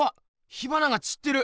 火花がちってる。